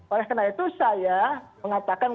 oleh karena itu saya mengatakan